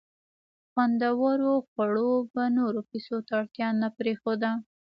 خوندورو خوړو به نورو کیسو ته اړتیا نه پرېښوده.